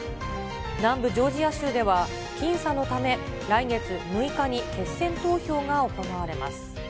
南部ジョージア州では、僅差のため、来月６日に決選投票が行われます。